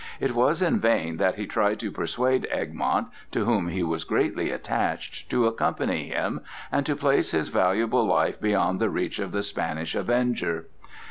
It was in vain that he tried to persuade Egmont, to whom he was greatly attached, to accompany him and to place his valuable life beyond the reach of the Spanish "avenger."